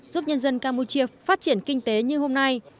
giúp nhân dân campuchia phát triển kinh tế như hôm nay